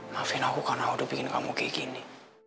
maafin aku karena aku udah bikin kamu kayak gini